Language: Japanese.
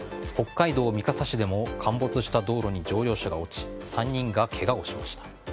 北海道三笠市でも陥没した道路に乗用車が落ち３人がけがをしました。